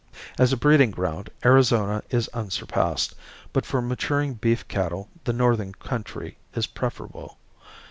As a breeding ground Arizona is unsurpassed, but for maturing beef cattle the northern country is preferable.